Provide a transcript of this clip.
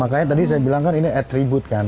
makanya tadi saya bilang kan ini atribut kan